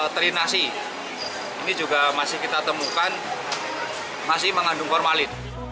terinasi ini juga masih kita temukan masih mengandung formalin